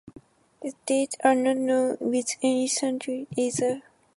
His dates are not known with any certainty either.